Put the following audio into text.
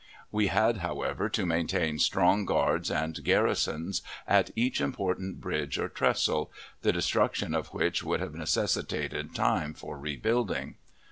We had, however, to maintain strong guards and garrisons at each important bridge or trestle the destruction of which would have necessitated time for rebuilding.